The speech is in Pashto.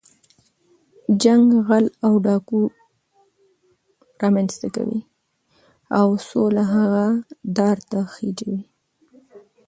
جنګ غل او ډاګو رامنځ ته کوي، او سوله هغه دار ته خېږوي.